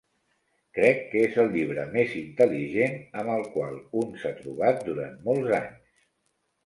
Crec que és el llibre més intel·ligent amb el qual un s'ha trobat durant molts anys.